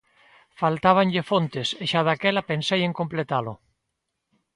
Faltábanlle fontes, e xa daquela pensei en completalo.